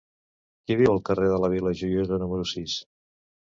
Qui viu al carrer de la Vila Joiosa número sis?